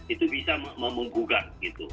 itu bisa memunggungkan